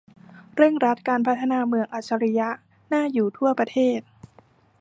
เร่งรัดการพัฒนาเมืองอัจฉริยะน่าอยู่ทั่วประเทศ